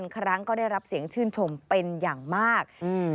ครั้งก็ได้รับเสียงชื่นชมเป็นอย่างมาก